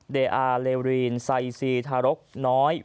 เดอาเลรีนไซซีทารกน้อย